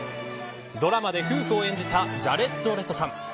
ドラマで夫婦を演じたジャレッド・レトさん。